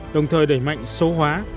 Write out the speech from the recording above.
đồng thời đẩy mạnh số hóa